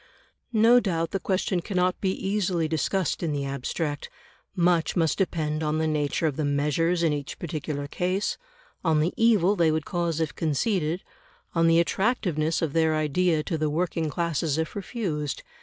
No doubt the question cannot be easily discussed in the abstract; much must depend on the nature of the measures in each particular case; on the evil they would cause if conceded; on the attractiveness of their idea to the working classes if refused.